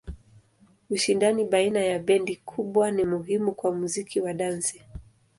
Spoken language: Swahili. Ushindani baina ya bendi kubwa ni muhimu kwa muziki wa dansi.